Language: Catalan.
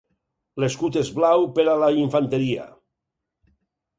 L'escut és blau per a la infanteria.